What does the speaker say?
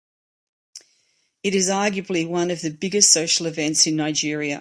It is arguably one of the biggest social events in Nigeria.